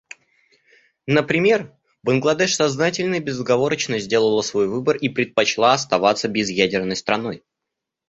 Например, Бангладеш сознательно и безоговорочно сделала свой выбор и предпочла оставаться безъядерной страной.